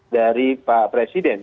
dari pak presiden